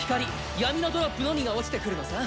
闇のドロップのみが落ちてくるのさ。